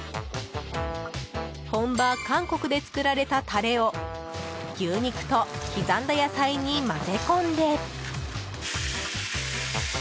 本場韓国で作られたタレを牛肉と刻んだ野菜に混ぜ込んで。